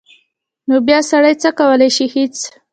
نو بیا سړی څه کولی شي هېڅ.